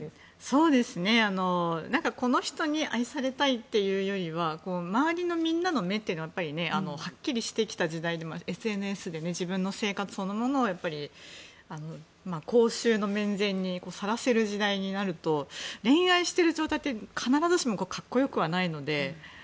この人に愛されたいというよりは周りのみんなの目というのがはっきりしてきた時代でもあってＳＮＳで自分の生活そのものを公衆の面前にさらせる時代になると恋愛している状態って必ずしも格好良くはないので。